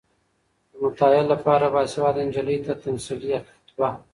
د متاهل لپاره باسواده نجلۍ ته تمثيلي خطبه